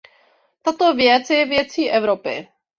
Tato věc je věcí Evropy.